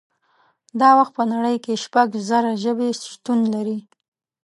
دا وخت په نړۍ کې شپږ زره ژبې شتون لري